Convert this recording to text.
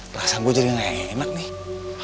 rasa gue jadi gak enak nih